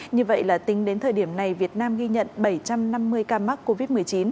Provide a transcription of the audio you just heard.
như vậy là tính đến thời điểm này việt nam ghi nhận bảy trăm năm mươi ca mắc covid một mươi chín